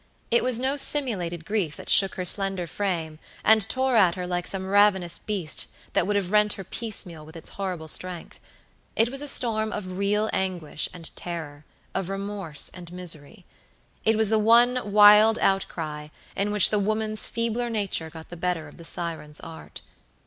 It was no simulated grief that shook her slender frame and tore at her like some ravenous beast that would have rent her piecemeal with its horrible strength. It was a storm of real anguish and terror, of remorse and misery. It was the one wild outcry, in which the woman's feebler nature got the better of the siren's art.